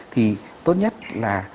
thì tốt nhất là